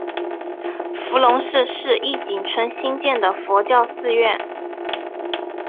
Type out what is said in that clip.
伏龙寺是义井村兴建的佛教寺院。